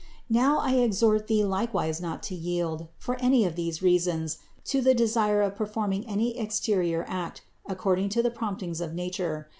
Now I exhort thee likewise not to yield, for any of these reasons, to the desire of performing any exterior action according to the promptings of nature.